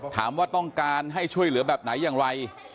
ถามว่าต้องการให้ช่วยเหลือแบบไหนอย่างไร